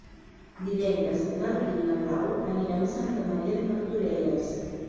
Divendres en Martí i na Blau aniran a Santa Maria de Martorelles.